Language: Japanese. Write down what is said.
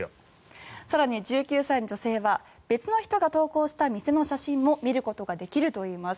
更に１９歳の女性は別の人が投稿したお店の写真も見ることができるといいます。